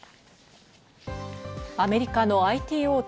アメリカのＩＴ大手